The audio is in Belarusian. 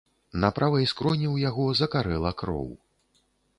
На правай скроні ў яго закарэла кроў.